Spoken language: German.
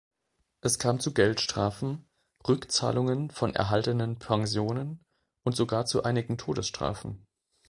Es kam zu Geldstrafen, Rückzahlungen von erhaltenen Pensionen und sogar zu einigen Todesstrafen.